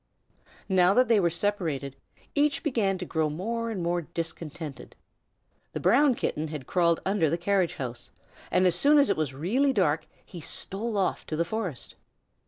Now that they were separated, each began to grow more and more discontented. The Brown Kitten had crawled under the carriage house, and as soon as it was really dark he stole off to the forest.